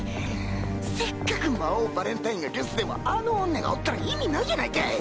せっかく魔王ヴァレンタインが留守でもあの女がおったら意味ないやないかい！